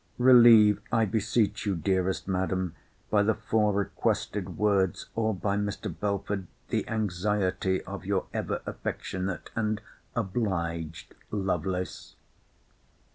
Relieve, I beseech you, dearest Madam, by the four requested words, or by Mr. Belford, the anxiety of Your ever affectionate and obliged LOVELACE.